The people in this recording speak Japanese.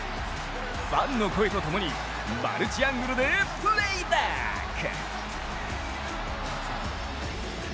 ファンの声とともにマルチアングルでプレーバック！